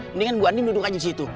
mendingan bu andien duduk aja disitu